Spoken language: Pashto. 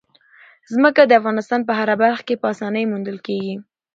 ځمکه د افغانستان په هره برخه کې په اسانۍ موندل کېږي.